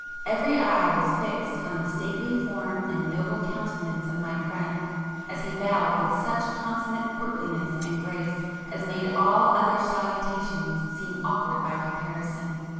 Every eye [p 191] was fixed on the stately form and noble countenance of my friend as he bowed with such consummate courtliness and grace as made all other salutations seem awkward by comparison.